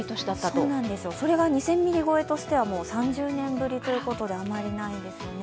そうなんですよ、それが２０００ミリ超えとしては３０年ぶりということであんまりないんですよね。